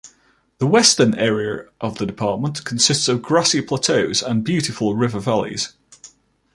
The western area of the department consists of grassy plateaus and beautiful river valleys.